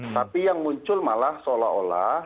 tapi yang muncul malah seolah olah